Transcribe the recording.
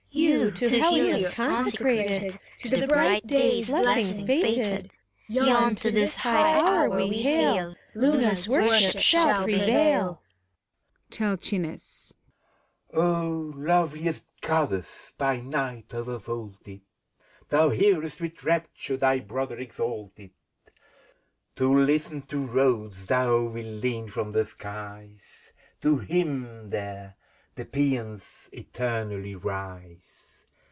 SIRENS. You, to Helios consecrated, To the bright Day's blessing fated, — Ton to this high Hour we hail : Luna's worship shall prevail ! TELCHIKES. loveliest Goddess by night over vaulted ! Thou hearest with rapture thy brother exalted : To listen to Rhodes thou wilt lean from the skies ; To him, there, the psans eternally rise.